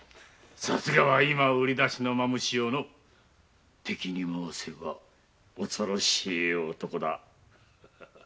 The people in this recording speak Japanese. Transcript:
さすが今売り出しの蝮よの敵にまわせば恐ろしい男だ。